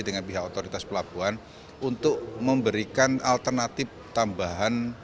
dengan pihak otoritas pelabuhan untuk memberikan alternatif tambahan